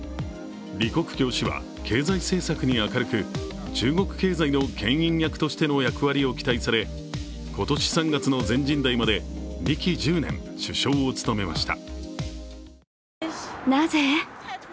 李克強氏は経済政策に明るく、中国経済のけん引役としての役割を期待され今年３月の全人代まで２期１０年、首相を務めました。